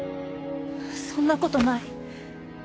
そんな事ない。